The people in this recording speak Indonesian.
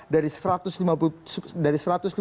jadi kalau dikuantifikasi